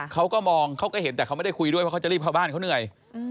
เขาก็มองเขาก็เห็นแต่เขาไม่ได้คุยด้วยเพราะเขาจะรีบเข้าบ้านเขาเหนื่อย